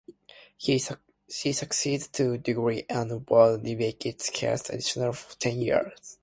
He succumbed to drugs and was a dedicated heroin addicted for ten years.